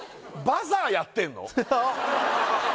バザーやってんの？